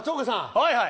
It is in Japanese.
はいはい。